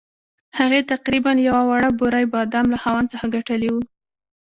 هغې تقریباً یوه وړه بورۍ بادام له خاوند څخه ګټلي وو.